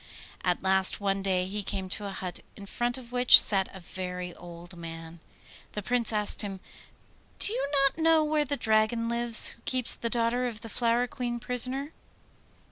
At last one day he came to a hut, in front of which sat a very old man. The Prince asked him, 'Do you not know where the Dragon lives who keeps the daughter of the Flower Queen prisoner?